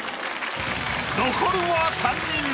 残るは三人！